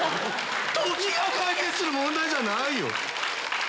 時が解決する問題じゃないよ。